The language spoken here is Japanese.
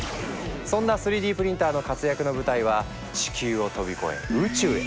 そんな３Ｄプリンターの活躍の舞台は地球を飛び越え宇宙へ！